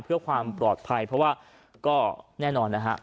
เพื่อความปลอดภัยเพราะว่าก็แน่นอนนะฮะ